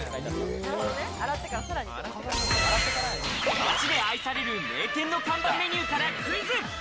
街で愛される名店の看板メニューからクイズ。